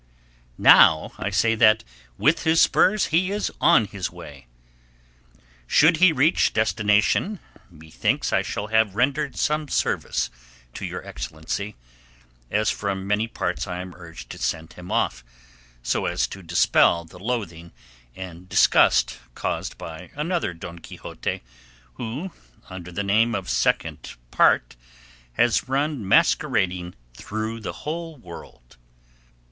Now I say that "with his spurs, he is on his way." Should he reach destination methinks I shall have rendered some service to Your Excellency, as from many parts I am urged to send him off, so as to dispel the loathing and disgust caused by another Don Quixote who, under the name of Second Part, has run masquerading through the whole world.